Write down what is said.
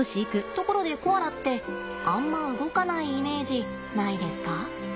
ところでコアラってあんま動かないイメージないですか？